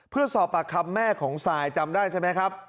เพื่อสอบปากคำแม่ของซายจำได้ใช่ไหมครับ